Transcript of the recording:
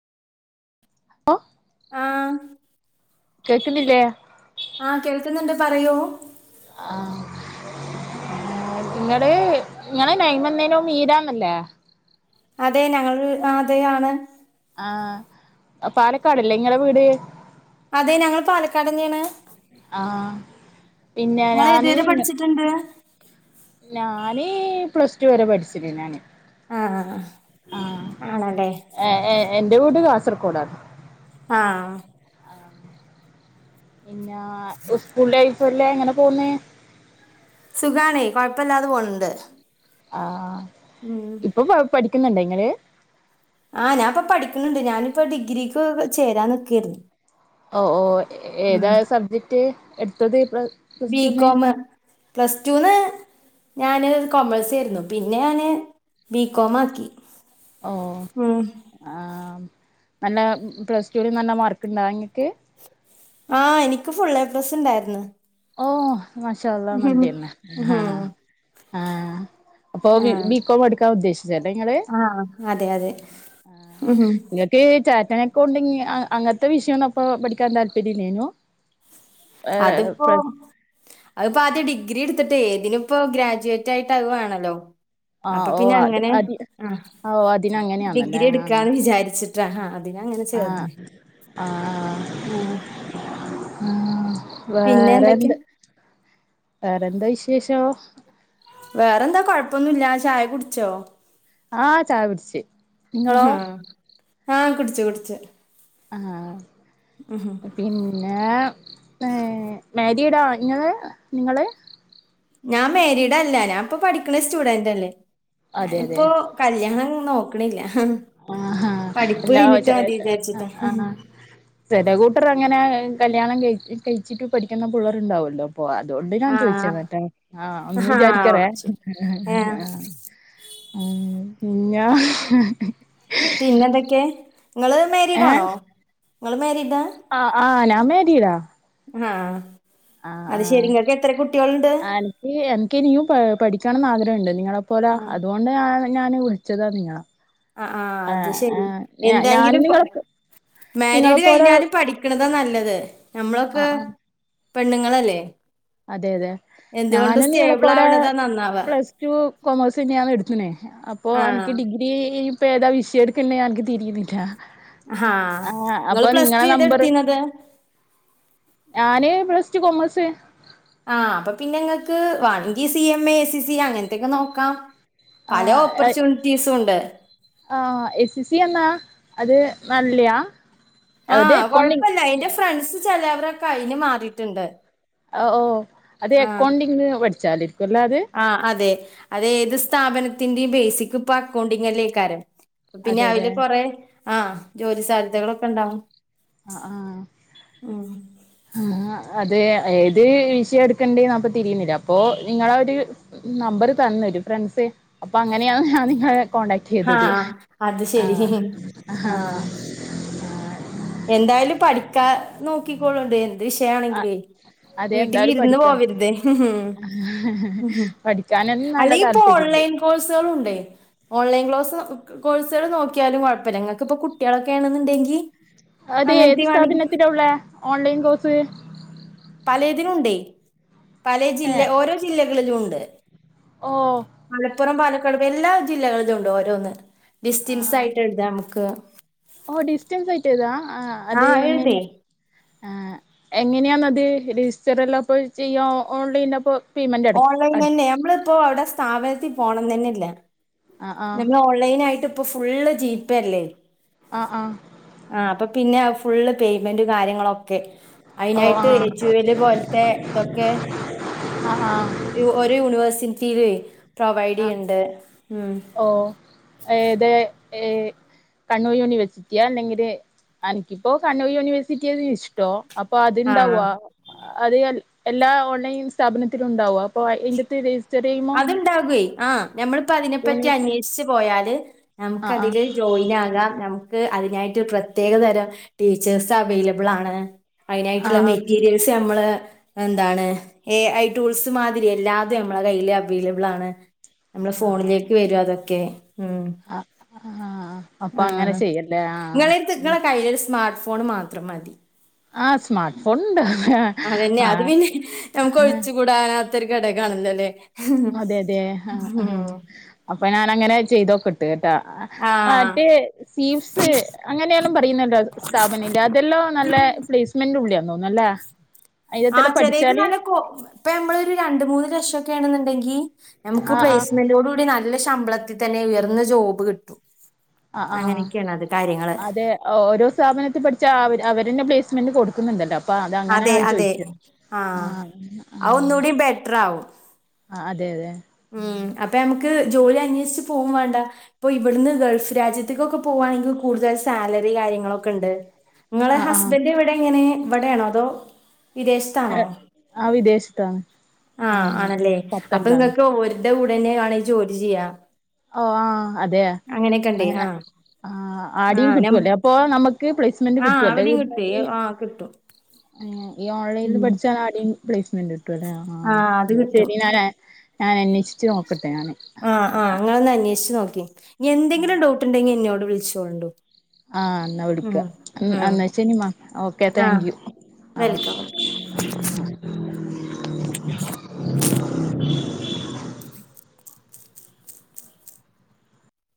O ആഹ്. കേക്ണില്ലേ? ആഹ് കേൾക്ക്ന്ന്ണ്ട് പറയൂ ആഹ് ഇങ്ങള് ഇങ്ങെളെ നെയ്മ്ന്തേനു മീരാന്നെല്ലേ അതെ ഞങ്ങള് ആഹ് അതെ ആണ് ആഹ് പാലക്കാടല്ലേ ഇങ്ങളെ വീട് അതേ ഞങ്ങള് പാലക്കാടെന്നേണ് ആഹ് നിങ്ങൾ ഏത് പിന്നെഞാന് വരെ പഠിച്ചിട്ടുണ്ട് ഞാന് പ്ലസ് റ്റു വെരെ പഠ്ച്ച്ണ് ഞാന് ആഹ് ആഹ് ആഹ് ആണല്ലെ ഏ ഏഹ് എന്റെ വീട് കാസർകോഡാണ് ആഹ് പിന്നാ ഉസ്കൂൾലൈഫല്ല എങ്ങനെ പോവുന്ന് സുഖണേയ് കൊഴപ്പല്ലാതെപോണ്‌ണ്ട് ആഹ് ഉം.. ഇപ്പൊ പാ പഠിക്ക്ന്ന്ണ്ട ഇങ്ങള് ആഹ് ഞാൻപ്പ പഠിക്ക്ണ്‌ണ്ട് ഞാനിപ്പോ ഡിഗ്രിക്ക് ചേരാന്നിക്കേര്ന്ന് ഓഹ് ഓഹ് ഏതാ സബ്ജെക്ട് എട്ത്തത് പ്ല ബികോമ് പ്ലസ്‌റ്റൂന്ന് ഞാന് കൊമേഴ്സേര്ന്നു പിന്നെ ഞാന് ബീകോമാക്കി ഓഹ് ആം നല്ല പ്ലസ്ടുല് നല്ല മാർക്ക്ണ്ടാഇങ്ങക്ക് ആഹ് എനിക്ക് ഫുള്ളേപ്ലസ്ണ്ടാര്ന്ന് ഓഹ് മാഷാഅള്ളാ നല്ലെന്നെ ആ ഉം. ആഹ് അപ്പൊ ആഹ് ബിക്കോമെട്ക്കാ ഉദ്ദേശ്‌ ജനങ്ങള് ആഹ് അതെ അതെ ഉം ഉം ആഹ് ക്ക് ചാറ്റനെകൊണ്ടിങ് അ അങ്ങത്തെ വിഷയാെന്നപ്പൊ പഠിക്കാൻ താല്പര്യല്ലേനു അത്പ്പം അഅ്പ്പാദ്യ ഡിഗ്രി ഇട്ത്തിട്ടേയ്, തിനിപ്പോഗ്രാജുവേറ്റ്ആയിട്ട്അഅ് വേണല്ലോ ആ അപ്പ ഓ പ്പിന്നെ അത് അങ്ങനെ, അത് അഹ് ഓ അതിനങ്ങനെയാന്നല്ലേ ഡിഗ്രി എട്ക്കാന്ന് വിചാരിച്ചിട്ടാ ഹാ ആഹ് ആഹ് ആഹ് ആഹ് ആഹ് പിന്നെ എന്തൊക്കെ വേറെന്ത് വേറെന്താ വിശേശോ വേറെന്താ കൊഴപ്പൊന്നുല്ലാ ചായ കുട്ച്ചോ ആഹ് ചായ കുട്ച്ച് ഹ്ഹാ ആഹ് കുട്ച്ച് കുട്ച്ച് ആഹ് പിന്നെ.. മേ മേരീഡാ ഇങ്ങള് നിങ്ങള് ഞാം മേരീഡെല്ലാ ഞാംപ്പം പഠിക്ക്ണെ സ്റ്റുഡന്റെല്ലേ അതെ അതെ ഞാനിപ്പോ കല്യാണം നോക്ക്ണില്ലാ ആഹാ പഠിപ്പ് എല്ലാ കയ്ഞ്ഞ്ട്ട് മതീചാര്ച്ച്ട്ടാ ചെലെ കൂട്ടർ അങ്ങനെ കല്യാണം കെഴി കെഴിച്ചിട്ട് പഠിക്ക്ന്ന പുള്ളേർണ്ടാവല്ലോ അപ്പൊ അതോണ്ട് ഞാൻ ചോദിച്ചതാട്ടെ ആഹ് ആഹ് ഒന്നും ഹാ വിചാരിക്കറേ ഏഹ് ആഹ് ഉം മിന്നാ പിന്നെന്തൊക്കെ ങ്ങള് ഏഹ് മേരീഡാണോ ങ്ങള് മേരീഡാ? ആഹ് ആഹ് ഞാൻമേരീടാ ആഹ് അത്ശെരി ങ്ങക്കെത്ര കുട്ട്യോള്ണ്ട് ഈ അൻക്ക് ഇനിയും പാ പഠിക്കണന്ന് ആഗ്രഹംണ്ട് നിങ്ങളെപ്പോലാ ആഹ് അതോണ്ട് ഞാ ഞാന് വിൾച്ചതാ നിങ്ങളാ ആഹ് അത് ആഹ് ശെരി ആഹ് എന്തെങ്കിലും പ ഞാനുംനിങ്ങളെ നിങ്ങളെപ്പോലെ ക്ക്ണതാ നല്ലത് ഞമ്മളൊക്കെ പെണ്ണ്ങ്ങളല്ലേ അതെ അതെ ഞാനും നിങ്ങളെ പോലെ ആവ്ണതാ നന്നാവാ പ്ലസ്ടു കൊമേസെന്നെയാണ് ഇട്ത്ത്ണേ അപ്പോ ആഹ് അനക്ക് ഡിഗി ടിയേ ഇപ്പേതാ വിഷയട്ക്ക്ന്നെ അൻക്ക് തിരിയ്ന്നില്ലാ ഹാ ആഹ് ഇങ്ങള് അപ്പൊ പ്ലസ് നിങ്ങളെ ടു ഏതാ നമ്പറ് ഇട്ത്തീന്നത് ഞാന് പ്ലസ്റ്റു കാെമേസ് ആഹ് അപ്പൊ പിന്നെ ഇങ്ങെക്ക് വാണെങ്കി C M A, A C C അങ്ങൻത്തെക്കെ നോക്കാം പല ആഹ് ഓപ്പർചൂൺറ്റീസൂണ്ട് ആഹ് എസ്സ് സ്സി എന്നാ അത് നല്ല്യാ ആഹ് കൊഴ്പ്പല്ലാ ഇൻ്റെ ഫ്രണ്ട്സ് ചെലവ്‌രൊക്കെ അയ്ന് മാറീട്ട്ണ്ട് അഹ് ഓഹ് അത് എക്കൗണ്ടിങ്ങ് പഠ്ച്ചാലേര്ക്കുംല്ലത് ആഹ് അതെ അത് ഏത് സ്ഥാപനത്തിന്റിം ബേസിക്ക് പ്പം അക്കൗണ്ടിങ്ങെല്ലെയ്ക്കാരം പ്പ പിന്നെ അതെ അതെ അയ്ല് കൊറേ ആഹ് ജോലി സാധ്യതകളൊക്കെണ്ടാവും ആഹ് ആഹ് ആഹ് അതെ ഏത് വിഷെയാട്ക്കെണ്ട്യേന്ന് അപ്പ തിരീണില്ലാ അപ്പൊ നിങ്ങളാ ഒര് നമ്പറ് തന്ന് ഒര് ഫ്രണ്ട്സ് അപ്പൊ അങ്ങനെയാണ് ഞാൻ നിങ്ങളെ കോണ്ടാക്ട് ചെയ്തത് ആഹ് അത് ശരി ആഹ് ആഹ് എന്തായാലും പഠിക്കാ നോക്കിക്കോളാേണ്ടു എന്ത് ആഹ് വിഷയാണെങ്കില്വേ വീട്ടില് ഇര്ന്ന് പോകര്തേ ഹും ഉം പഠിക്കാനം നല്ലെ താല്‌പെര്യ യ്ൻ കോഴ്സുകളും ഉണ്ടേ. ഓൺലൈൻ ക്ലാസ് കോഴ്സള് നോക്കിയാലും കൊഴപ്പല്ലാ ഇങ്ങക്ക്പ്പം കുട്ട്യാളൊക്കെ ആണെന്ന്ണ്ടെങ്കി അത് ഏത് സ്ഥാപനത്തിനാ ഉള്ളെ ഓൺലൈൻ കോഴ്സ്? പലേതിനുണ്ടേ പലേ ഏ ജില്ല ഓരോ ജില്ലകളിലുണ്ട് ഓ മലപ്പുറം, പാലക്കാട് എല്ലാ ജില്ലകളിലും ഒണ്ട് ഓരോന്ന് ആ ഡിസ്റ്റിൻസ് ആ ആയിട്ട് എഴുതാം നമുക്ക്. ഓ ഡിസ്റ്റൻസായിട്ട് എഴ്താ ആഹ് അതെങ്ങെനെയ്യാ? ആഹ് എങ്ങനെയാന്ന് അത് രജിസ്റ്ററ് ചെയ്യാം ഓൺലൈൻ അപ്പോ ഓൺലൈൻ അന്നെ നമ്മളിപ്പോ അവടെ സ്ഥാപനത്തി പോണന്നന്നെ ഇല്ലാ. ആഹ് ആഹ് [unintelligible] ലൈനായിട്ട് ഇപ്പൊ ഫുള്ള് ജീപേ അല്ലേ? ആഹ് ആഹ്. ആഹ് അപ്പൊ പിന്നെ ഫുളള് പേയ്മെന്റ് കാര്യങ്ങളൊ ഓക്കെ ഓ അയിനായിട്ട് ആഹ് എജു വെൽ പോലത്തെ ഇതൊക്കെ ആഹാ. ഇയോരൂ യൂണിവേഴ്സിറ്റില് ആഹ് പ്രൊവൈഡ്യ്യ്ണ്ട് ഉം ഓ. ഏതേ ഏഹ്. കണ്ണൂർ യൂണിവേഴ്സിറ്റിയ അല്ലെങ്കില് അനിക്കിപ്പോ കണ്ണൂർ യൂണിവേഴ്സിറ്റിയാ ഇഷ്ടോ. അപ്പൊ അത് ആഹ് ഇണ്ടാവ്വ. അത് എല് എല്ലാ ഓൺലൈൻ സ്ഥാപനത്തിലും ഉണ്ടാവും അപ്പൊ അയിന്റാത്ത് രെയ് അത് ഇണ്ടാകുവെയ്യ് ആഹ്. ഞമ്മളിപ്പോ അതിനെപ്പറ്റി യൂണിവേഴ്സ് അന്വേഷിച്ച് പോയാല് ഞമ്മക്ക് ആഹ് ആഹ് അതില് ജോയിൻ ആകാം ഞ ക്ക് അതിനായിട്ട് പ്രത്യകതരം ടീച്ചേഴ് അവൈലബിളാണ് അയിനായിട്ടോള്ള ആഹ് മെറ്റീറിയെൽ സ് ഞമ്മള് എന്താണ് എ ഐ ടൂൾസ് മാതിരി എല്ലാതേം നമ്മളെ കയ്യില് അ അവൈലബിളാണ് നമ്മളെ ആഹ് ഫോണിലേക്ക് വരും അതൊക്കെ ഉം. ആഹ് ആഹ് ആഹ് അപ്പൊ അങ്ങനെ ആഹ് ചെയ്യല്ലേ ആഹ് നിങ്ങളെ എട്ത്ത് നിങ്ങടെ കയ്യില് സ്മാർട്ട് ഫോണ് മാത്രം മതി. ആഹ് സ്മാർട്ട് ഫോൺ ഉണ്ട് അതന്നെ ആഹ് അത് പിന്നെ നമ്മക്ക് ആഹ് ഒഴിച്ച് കൂ ടാനാത്തൊര് കടേ ക്കാണല്ലോല്ലേ? അതെ അതെ ആഹ് ആഹ് അപ്പം ഞാന് അങ്ങനെ ചെയ്തോക്കട്ട് കേട്ടാ. ആഹ് മറ്റേ സീഫ്സ് അങ്ങനെ ഒന്ന് പറയുന്നുണ്ടോ സ്ഥാപന ഇല്ല അതെല്ലാം നല്ലേ പ്ലേസ്മെന്റ് ഉള്ളിയാന്ന് തോന്ന് അല്ലേ. ആഹ് ചെലത് നല്ല കോ ഇപ്പൊ നമ്മളൊരു രണ്ട് മൂന്ന് ലക്ഷം ഒക്കെ ആണെന്നുണ്ടെങ്കിൽ നമുക്ക് ആഹ് ആഹ് പ്ലേസ്മെന്റോട് കൂടി ന നല്ല ശമ്പളത്തിൽ തന്നെ ഉയർന്ന ജോബ് കിട്ടും ആഹ് ആഹ് അങ്ങനെയൊക്കെയാണ് അത് കാര്യങ്ങൾ അതെ ഓരോ സ്ഥാപനത്തിൽ പഠിച്ച അവരെനെ പ്ലേസ്മെന്റ് കൊടുക്കുന്നുണ്ടല്ലോ ഇപ്പ അതങ്ങനെ അതെ ഞാൻ അതെ ചോയിച്ചത് ആഹ് അത് ആഹ് ഒന്നുകൂടി ബെറ്റർ ആവും ആഹ് അതെ അതെ ഉം അപ്പൊ നമുക്ക് ജോലി അന്വേഷിച്ച് പോകും വേണ്ട ഇപ്പൊ ഇവിടുന്ന് ഗൾഫ് രാജ്യത്തേക്കൊക്കെ പോവുവാണെങ്കി കൂടുതൽ സാലറി കാര്യങ്ങളൊക്കെ ഉണ്ട് നിങ്ങളെ ആഹ് ആഹ് ഹസ്ബൻഡ് ഇവിടെ എങ്ങനെ ഇവിടെയാണോ അതോ വിദേശത്താണോ ആഹ് വിദേശത്താണ് ആഹ് ആണല്ലേ അപ്പൊ നിങ്ങ ഓര്ന്റെ കൂടന്നെ വാണെങ്കിൽ ജോലി ചെയ്യാ ഓഹ് ആഹ് അതെയാ അങ്ങനെയൊക്കെണ്ടേ ആഹ് ആഹ് ആടിയും ആഹ് നം കിട്ടുവല്ലേ അപ്പൊ നമുക്ക് പ്ലേസ്മെന്റ് ആഹ് കിട്ടുവല്ലേ അവിടെയും കിട്ടുവേ ആഹ് കിട്ടും [unintelligible] ഈ ഓൺലൈനിൽ ഉം പഠിച്ച ആടിം പ്ലേസ്മെന്റ് ഉണ്ട് ആഹ് അത് എന്ന കിട്ടും ശരി ഞനെ ഞാൻ അന്വേഷിച്ചു നോക്ക ആഹ് ആഹ് നിങ്ങളൊന്ന് അന്വേഷിച്ച് നോക്കി എന്തെങ്കിലും ഡൗട്ട് ഉണ്ടെങ്കിൽ എന്നോട് വിളിച്ചോണ്ടു ആഹ് എന്നാ ഉം വിളിക്കാ ഉം എന്നാ ശനിമ ഓക്കെ ആഹ് താങ്ക് യു ആഹ് വെൽക്കം